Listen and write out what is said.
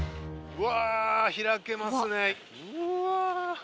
うわ！